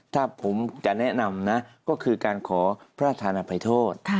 ถ้าผมจะแนะนำนะก็คือการขอพระธานภัยโทษ